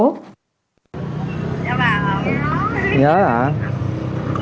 nhớ hả nhớ nhiều không